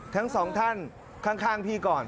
ทั้งสองท่านข้างพี่ก่อน